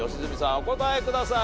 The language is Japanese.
お答えください。